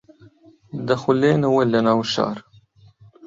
دەخولێنەوە لە ناو شار